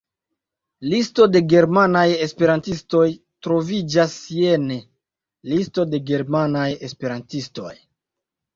Listo de germanaj esperantistoj troviĝas jene: Listo de germanaj esperantistoj.